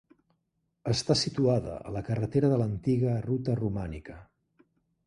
Està situada a la carretera de l'antiga Ruta Romànica.